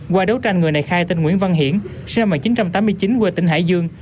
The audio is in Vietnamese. qua đấu tranh người này khai tên nguyễn văn hiển sinh năm một nghìn chín trăm tám mươi chín quê tỉnh hải dương